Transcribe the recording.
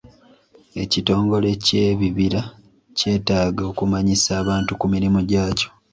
Ekitongole ky'ebibira kyetaaaga okumanyisa abantu ku mirimu gyakyo.